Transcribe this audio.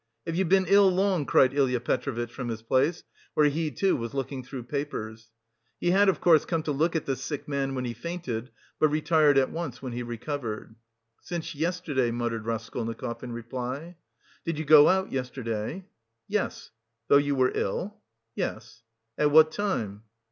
"Have you been ill long?" cried Ilya Petrovitch from his place, where he, too, was looking through papers. He had, of course, come to look at the sick man when he fainted, but retired at once when he recovered. "Since yesterday," muttered Raskolnikov in reply. "Did you go out yesterday?" "Yes." "Though you were ill?" "Yes." "At what time?"